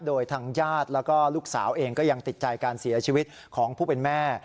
โดยทางญาติแล้วก็ลูกสาวเองก็ยังติดใจการเสียชีวิตของผู้เป็นแม่